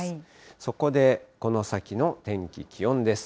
そこで、この先の天気、気温です。